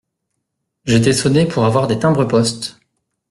Je t’ai sonné pour avoir des timbres-poste.